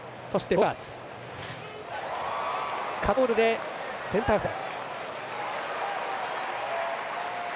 カットボールでセンターフライ。